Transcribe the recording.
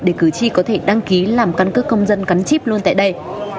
để cử tri có thể đăng ký làm căn cước công dân gắn chip luôn tại đây